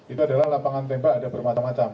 itu adalah lapangan tembak ada bermacam macam